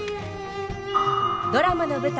ドラマの舞台